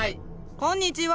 こんにちは。